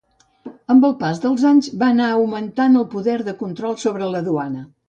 Amb el pas dels anys va anar augmentant el poder de control sobre la duana.